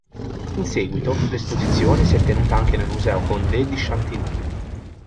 In seguito l'esposizione si è tenuta anche al Museo Condé di Chantilly.